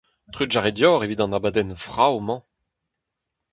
Trugarez deoc'h evit an abadenn vrav-mañ.